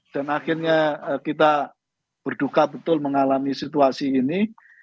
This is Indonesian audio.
dan akhirnya kita berduka betul mengalami situasi ini